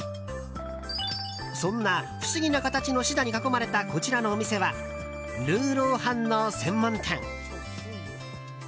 そんな不思議な形のシダに囲まれたこちらのお店はルーロー飯の専門店。